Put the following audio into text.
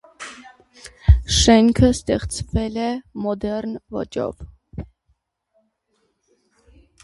Շենքը ստեղծվել է մոդեռն ոճով։